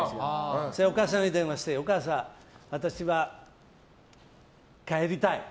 お母さんに電話して私は帰りたいと。